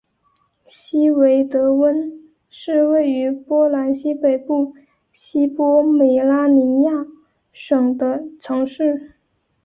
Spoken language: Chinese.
希维德温是位于波兰西北部西波美拉尼亚省的城市。